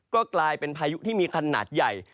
ก็กลายเป็นพายุที่มีขนาดใหญ่